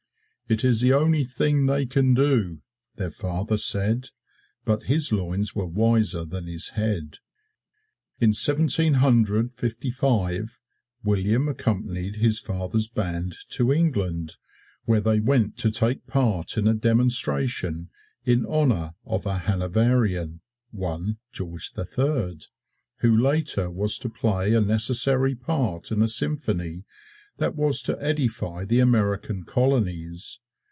"It is the only thing they can do," their father said. But his loins were wiser than his head. In Seventeen Hundred Fifty five William accompanied his father's band to England, where they went to take part in a demonstration in honor of a Hanoverian, one George the Third, who later was to play a necessary part in a symphony that was to edify the American Colonies.